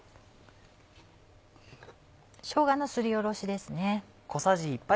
しょうがのすりおろしですね。